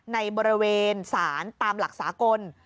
ในบริเวณสารตามหลักสากล